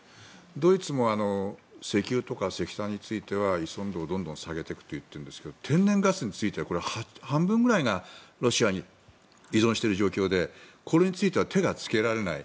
ドイツも石油とか石炭についてはどんどん依存度を下げていくといっているんですが天然ガスについては半分くらいがロシアに依存している状況でこれについては手がつけられない。